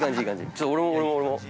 ちょ、俺も俺も俺も。